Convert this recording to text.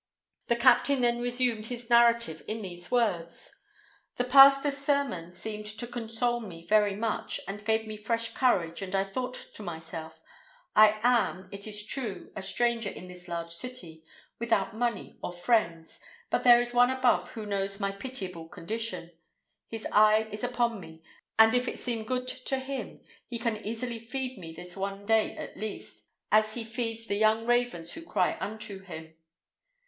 The captain then resumed his narrative in these words:—"The pastor's sermon seemed to console me very much, and gave me fresh courage, and I thought to myself—'I am, it is true, a stranger in this large city, without money or friends, but there is One above who knows my pitiable condition; His eye is upon me, and if it seem good to Him, He can easily feed me this one day at least, as He feeds 'the young ravens who cry unto Him.